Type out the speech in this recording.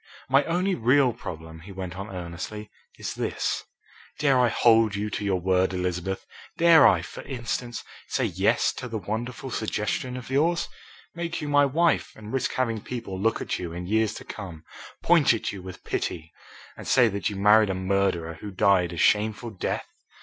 "My only real problem," he went on earnestly, "is this. Dare I hold you to your word, Elizabeth? Dare I, for instance, say 'yes' to the wonderful suggestion of yours? make you my wife and risk having people look at you in years to come, point at you with pity and say that you married a murderer who died a shameful death!